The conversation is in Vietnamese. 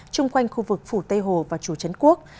chung quanh khu vực phủ tây hồ và chùa trấn quốc